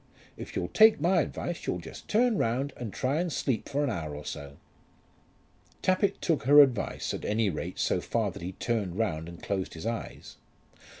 If you'll take my advice you'll just turn round and try to sleep for an hour or so." Tappitt took her advice at any rate, so far that he turned round and closed his eyes.